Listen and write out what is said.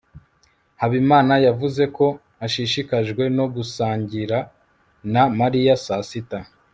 habimana yavuze ko ashishikajwe no gusangira na mariya saa sita